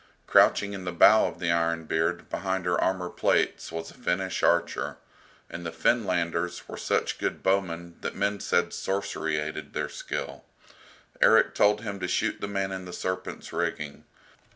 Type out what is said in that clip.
Crouching in the bow of the "Iron Beard" behind her armour plates was a Finnish archer, and the Finlanders were such good bowmen that men said sorcery aided their skill. Erik told him to shoot the man in the "Serpent's" rigging.